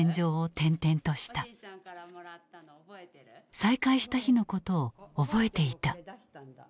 再会した日のことを覚えていた。